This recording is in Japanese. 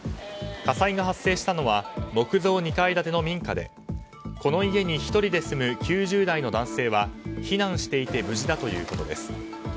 火災が発生したのは木造２階建ての民家でこの家に１人で住む９０代の男性は避難していて無事だということです。